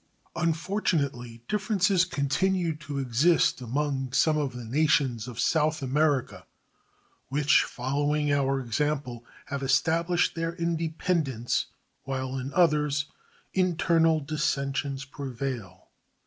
Unfortunately, differences continue to exist among some of the nations of South America which, following our example, have established their independence, while in others internal dissensions prevail.